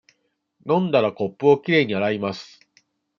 飲んだら、コップをきれいに洗います。